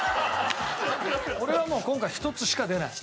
俺はもう今回１つしか出ない。